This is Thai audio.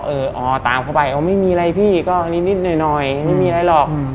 เอออ๋อตามเข้าไปอ๋อไม่มีอะไรพี่ก็นิดหน่อยไม่มีอะไรหรอก